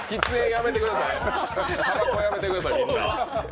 たばこやめてください。